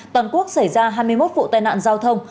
toàn quốc xảy ra hai mươi một vụ tai nạn giao thông